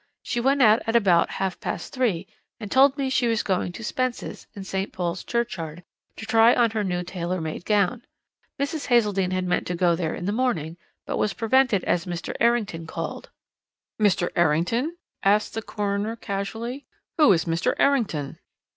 She went out at about half past three, and told me she was going to Spence's, in St. Paul's Churchyard, to try on her new tailor made gown. Mrs. Hazeldene had meant to go there in the morning, but was prevented as Mr. Errington called.' "'Mr. Errington?' asked the coroner casually. 'Who is Mr. Errington?'